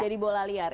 jadi bola liar